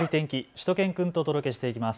しゅと犬くんとお届けしていきます。